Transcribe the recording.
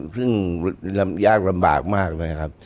ซึ่งยากลำบากมากเลยครับ